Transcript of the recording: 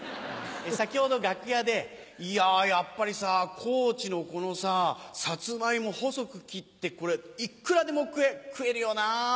先ほど楽屋で「いややっぱりさ高知のこのさつまいも細く切ってこれいくらでも食えるよな」。